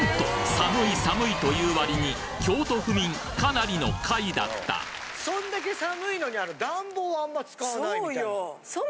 「寒い寒い」と言う割に京都府民かなりの下位だったそんだけ寒いのに暖房あんま使わないみたいな。